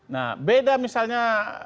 nah beda misalnya